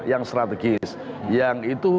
yang strategis yang itu